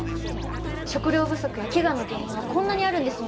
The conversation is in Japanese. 食料不足や飢餓の原因はこんなにあるんですね。